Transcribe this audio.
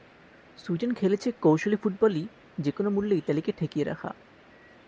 Sweden খেলেছে কৌশলী ফুটবলই যেকোনো মূল্যে ইতালিকে ঠেকিয়ে রাখা।